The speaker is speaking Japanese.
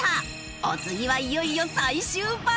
お次はいよいよ最終バトル！